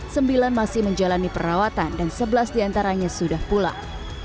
sembilan masih menjalani perawatan dan sebelas diantaranya sudah pulang